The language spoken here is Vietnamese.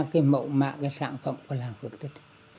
sáu mươi ba cái mậu mạ của sản phẩm của làng phước tích